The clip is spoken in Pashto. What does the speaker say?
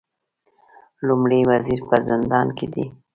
لومړی وزیر په زندان کې دی